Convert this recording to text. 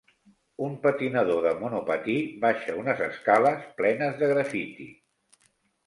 Un patinador de monopatí baixa unes escales plenes de grafiti.